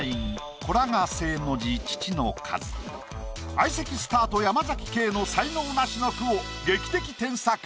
相席スタート山ケイの才能ナシの句を劇的添削。